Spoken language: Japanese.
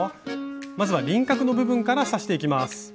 まずは輪郭の部分から刺していきます。